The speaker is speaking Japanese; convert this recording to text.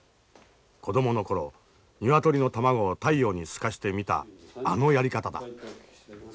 子供の頃鶏の卵を太陽に透かして見たあのやり方だ。